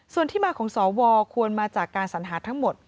ส่วนที่มาของสวควรมาจากการสัญหาทั้งหมด